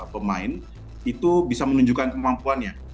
pemain itu bisa menunjukkan kemampuannya